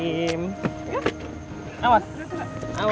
terima kasih bhoim